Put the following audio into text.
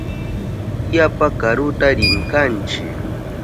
Yapa karuta rinkanchi.